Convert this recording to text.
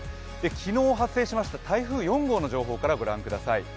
昨日発生しました台風４号の情報から御覧ください。